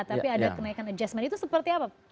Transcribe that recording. tapi ada kenaikan adjustment itu seperti apa